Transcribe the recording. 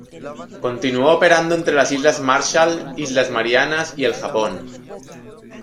Continuó operando entre las Islas Marshall, Islas Marianas y el Japón.